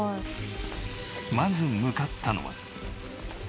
まず向かったのは。